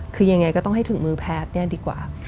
คือยังไงก็ต้องให้ถึงมือแพทย์เนี่ยดีกว่า